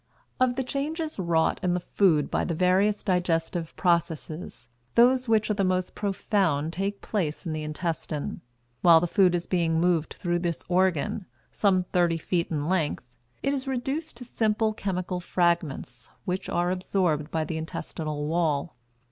Of the changes wrought in the food by the various digestive processes, those which are the most profound take place in the intestine. While the food is being moved through this organ some thirty feet in length it is reduced to simple chemical fragments, which are absorbed by the intestinal wall.